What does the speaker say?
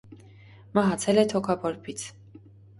Մահացել է թոքաբորբից։